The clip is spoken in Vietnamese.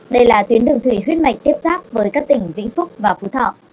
đây là tuyến đường thủy huyết mạch tiếp xác với các tỉnh vĩnh phúc và phú thọ